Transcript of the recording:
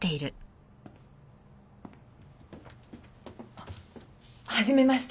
あっ初めまして。